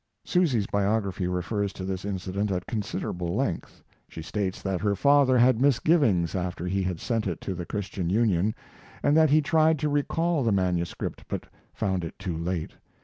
Susy's biography refers to this incident at considerable length. She states that her father had misgivings after he had sent it to the Christian Union, and that he tried to recall the manuscript, but found it too late.